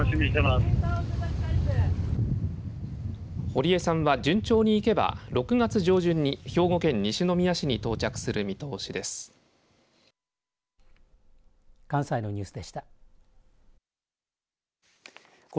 堀江さんは順調にいけば６月上旬に兵庫県西宮市に到着する見通しです。